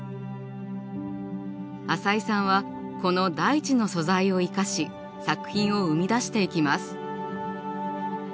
淺井さんはこの大地の素材を生かし作品を生み出していきます。